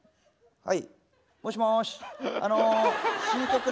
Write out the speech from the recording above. はい。